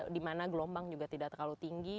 di mana gelombang juga tidak terlalu tinggi